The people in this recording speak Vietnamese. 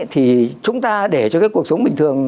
thì chúng ta để cho cái cuộc sống bình thường